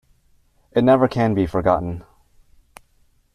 It never can be forgotten.